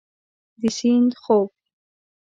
د سیند خوب